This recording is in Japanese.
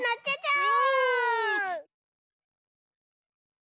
お！